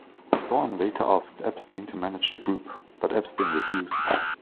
Storm later asked Epstein to manage the group, but Epstein refused.